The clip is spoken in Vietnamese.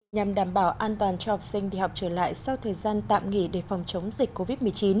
nhằm đảm bảo an toàn cho học sinh đi học trở lại sau thời gian tạm nghỉ để phòng chống dịch covid một mươi chín